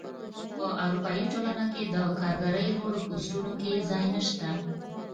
په اروپايي ټولنه کې د کارګرۍ لوړو پوستونو کې ځای نشته.